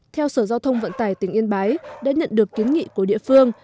theo sở giao thông vận tải tỉnh yên bái đã nhận được kiến nghị của địa phương